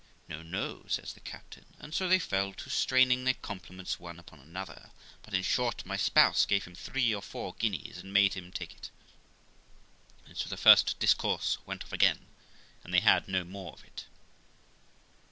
'No, no', says the captain; and so they fell to straining their compliments one upon another i but, in short, my spouse gave him three or four guineas, and made him 24 370 THE LIFE OF ROXANA take it. And so the first discourse went off again, and they had no more of it.